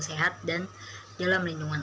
sehat dan dalam lindungan